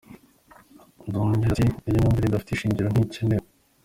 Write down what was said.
Nduhungire ati “ Iyo myumvire idafite ishingiro ntikenewe”.